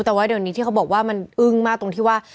แต่ว่าเดี๋ยวนี้ที่เขาบอกว่ามันอึ้งมากตรงที่ว่า